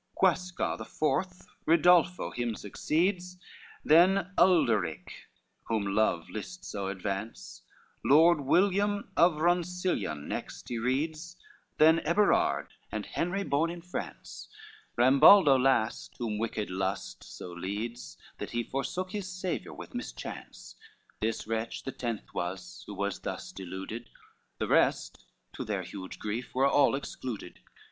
LXXV Guasco the fourth, Ridolpho him succeeds, Then Ulderick whom love list so advance, Lord William of Ronciglion next he reads, Then Eberard, and Henry born in France, Rambaldo last, whom wicked lust so leads That he forsook his Saviour with mischance; This wretch the tenth was who was thus deluded, The rest to their huge grief were all excluded.